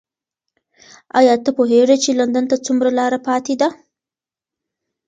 ایا ته پوهېږې چې لندن ته څومره لاره پاتې ده؟